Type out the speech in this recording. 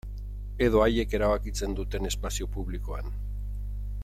Edo haiek erabakitzen duten espazio publikoan.